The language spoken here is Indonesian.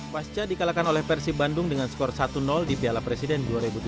pasca dikalahkan oleh persib bandung dengan skor satu di piala presiden dua ribu tujuh belas